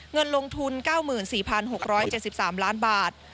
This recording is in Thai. เงินลงทุน๙๔๖๗๓ล้านบาท